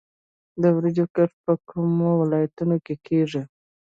د وریجو کښت په کومو ولایتونو کې کیږي؟